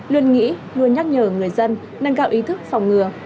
luôn nghĩ luôn nhắc nhở người dân nâng cao ý thức phòng ngừa